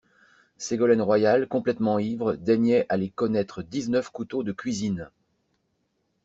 Ségolène Royal complètement ivre daignait aller connaître dix-neuf couteaux de cuisine.